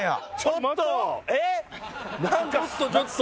ちょっとちょっと。